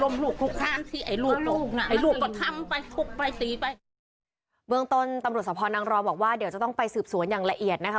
เบื้องต้นตำรวจสะพอนางรอบอกว่าเดี๋ยวจะต้องไปสืบสวนอย่างละเอียดนะคะ